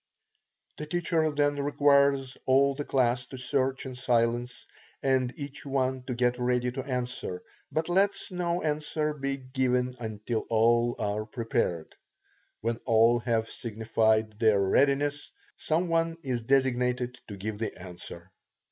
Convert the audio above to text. The teacher then requires all the class to search in silence, and each one to get ready to answer, but lets no answer be given until all are prepared. When all have signified their readiness, some one is designated to give the answer.